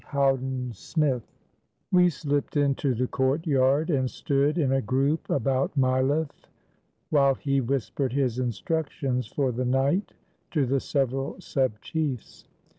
HOWDEN SMITH We slipped into the courtyard and stood in a group about Mileff , while he whispered his instructions for the night to the several sub chiefs.